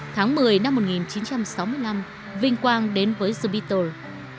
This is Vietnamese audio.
tháng một mươi năm một nghìn chín trăm sáu mươi năm vinh quang đến với the beatles